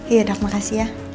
iya dok makasih ya